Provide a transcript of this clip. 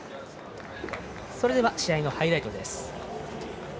それでは、試合のハイライトです。